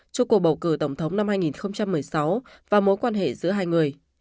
cho cuộc bầu cử tổng thống năm hai nghìn một mươi sáu và mối quan hệ giữa hai người